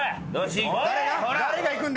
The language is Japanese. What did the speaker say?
誰がいくんだ？